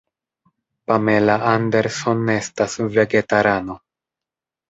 Pamela Anderson estas vegetarano.